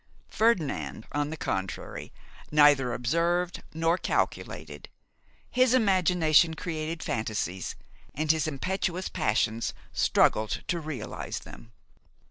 Ferdinand, on the contrary, neither observed nor calculated. His imagination created fantasies, and his impetuous passions struggled to realise them.